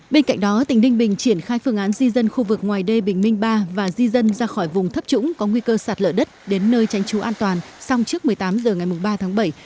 bên cạnh đó tỉnh ninh bình triển khai phương án di dân khu vực ngoài đê bình minh ba và di dân ra khỏi vùng thấp trũng có nguy cơ sạt lở đất đến nơi tránh trú an toàn xong trước một mươi tám h ngày ba tháng bảy